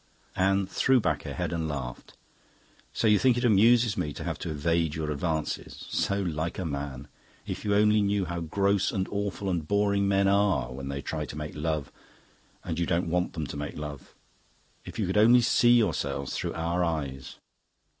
Anne threw back her head and laughed. "So you think it amuses me to have to evade your advances! So like a man! If you only knew how gross and awful and boring men are when they try to make love and you don't want them to make love! If you could only see yourselves through our eyes!"